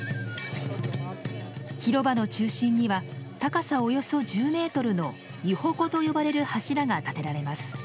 広場の中心には高さおよそ１０ｍの湯鉾と呼ばれる柱が立てられます。